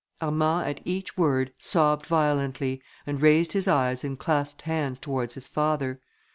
Armand at each word sobbed violently, and raised his eyes and clasped hands towards his father.